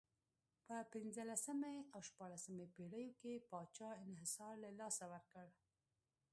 په پنځلسمې او شپاړسمې پېړیو کې پاچا انحصار له لاسه ورکړ.